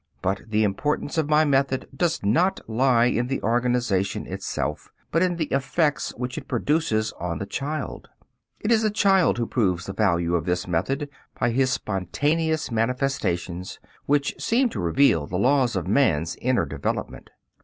But the importance of my method does not lie in the organization itself, but in the effects which it produces on the child. It is the child who proves the value of this method by his spontaneous manifestations, which seem to reveal the laws of man's inner development.